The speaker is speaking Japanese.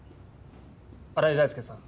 新井大輔さん